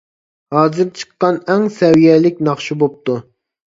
ھازىر چىققان ئەڭ سەۋىيەلىك ناخشا بوپتۇ.